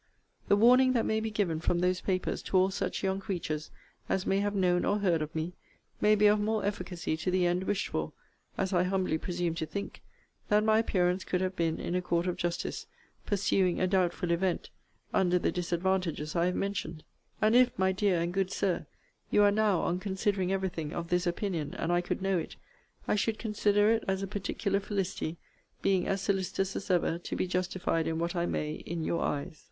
The warning that may be given from those papers to all such young creatures as may have known or heard of me, may be of more efficacy to the end wished for, as I humbly presume to think, than my appearance could have been in a court of justice, pursuing a doubtful event, under the disadvantages I have mentioned. And if, my dear and good Sir, you are now, on considering every thing, of this opinion, and I could know it, I should consider it as a particular felicity; being as solicitous as ever to be justified in what I may in your eyes.